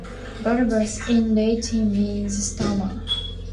"Balbus" in Latin means "stammer".